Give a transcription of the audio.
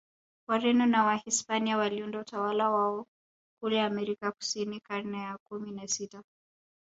Wareno na Wahispania waliunda utawala wao kule Amerika Kusini karne ya kumi na sita